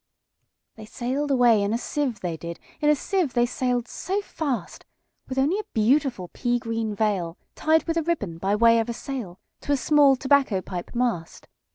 They sail'd away in a sieve, they did, In a sieve they sail'd so fast, With only a beautiful pea green veilTied with a ribbon, by way of a sail, To a small tobacco pipe mast.